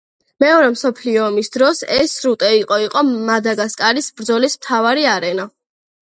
მეორე მსოფლიო ომის დროს, ეს სრუტე იყო იყო მადაგასკარის ბრძოლის მთავარი არენა.